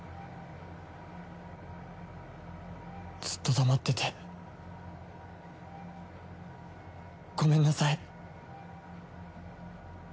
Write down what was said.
ずっと黙っててごめんなさい。